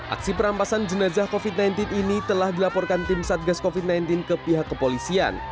aksi perampasan jenazah covid sembilan belas ini telah dilaporkan tim satgas covid sembilan belas ke pihak kepolisian